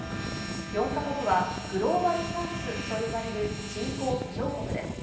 ４か国は、グローバルサウスと呼ばれる新興・途上国です。